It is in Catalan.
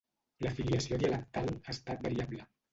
La filiació dialectal ha estat variable.